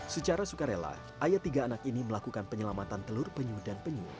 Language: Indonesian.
secara sukarela ayah tiga anak ini melakukan penyelamatan telur penyu dan penyu